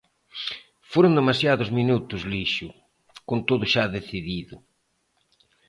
Foron demasiados minutos lixo, con todo xa decidido.